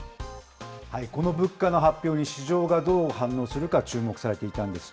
この物価の発表に市場がどう反応するか注目されていたんです。